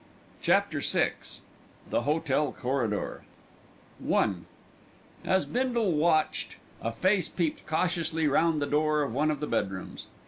CHAPTER VI THE HOTEL CORRIDOR I As Bindle watched, a face peeped cautiously round the door of one of the bedrooms.